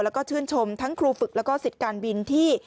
แล้วก็ชื่นชมทั้งครูฝึกแล้วก็สิทธิ์การบินที่